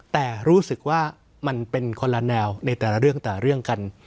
แต่รู้สึกว่ามันเป็นคนละแนวในแต่ละเรื่องแต่ละเรื่องกัน